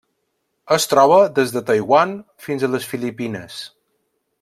Es troba des de Taiwan fins a les Filipines.